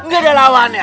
gak ada lawannya